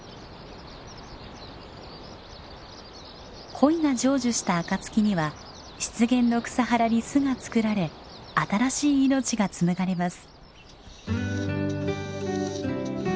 恋が成就した暁には湿原の草原に巣が作られ新しい命が紡がれます。